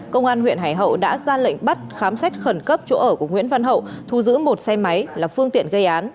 công an huyện hải hậu đã ra lệnh bắt khám xét khẩn cấp chỗ ở của nguyễn văn hậu thu giữ một xe máy là phương tiện gây án